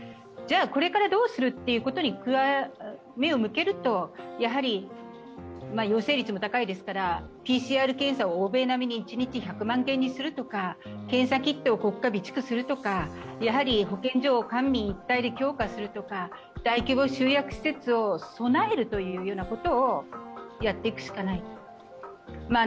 では、これからどうするということに目を向けるとやはり陽性率も高いですからＰＣＲ検査を欧米並みに一日１００万件にするとか、検査キットを国家備蓄するとかやはり保健所を官民一体で強化するとか大規模集約施設を備えるというようなことをやっていくしかない。